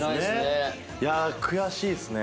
いや悔しいっすね